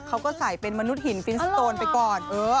เขาก็ใส่เป็นมนุษย์หินฟินสโตนไปก่อน